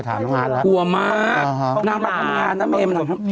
ถามโทษแล้วกลัวมากอ๋อฮะน้ำมาทำงานนะเมมน้ำทำ